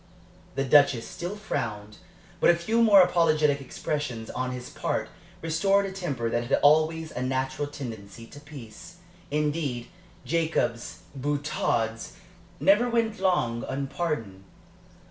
The Duchess still frowned, but a few more apologetic expressions on his part restored a temper that had always a natural tendency to peace. Indeed, Jacob's boutades never went long unpardoned.